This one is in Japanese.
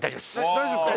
大丈夫ですか？